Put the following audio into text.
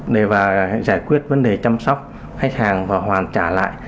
để mà giải quyết vấn đề chăm sóc khách hàng và hoàn trả lại